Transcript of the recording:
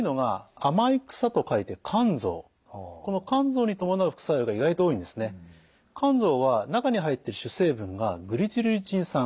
甘草は中に入っている主成分がグリチルリチン酸。